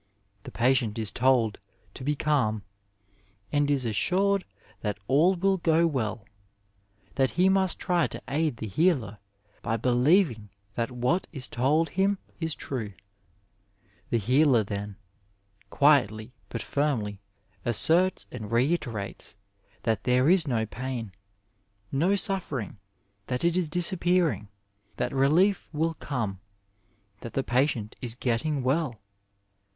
" The patient is told to be calm, and is assured that all will go well ; that he must try to aid the healer by believing that what is told him is true. The healer 275 Digitized by VjOOQIC MEDICINE IN THE NINETEENTH CENTURY then, quietly bat firmly, asserts and reiterates that th^e is no pain, no suffering, that it is disappearing, that relief will come, that the patient is getting well."